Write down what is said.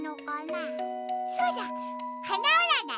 そうだ。